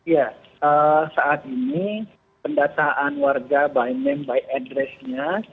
ya saat ini pendataan warga by name by address nya